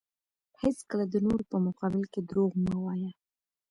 هیڅکله د نورو په مقابل کې دروغ مه وایه.